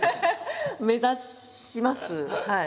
目指しますはい。